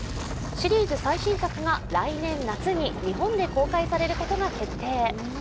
シリーズ最新作が来年夏に日本で公開されることが決定。